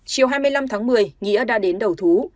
chiều hai mươi năm tháng một mươi nghĩa đã đến đầu thú